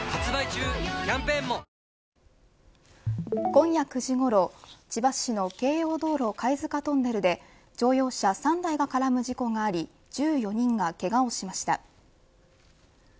今夜９時ごろ千葉市の京葉道路貝塚トンネルで乗用車３台が絡む事故があり１４人がけがをしました。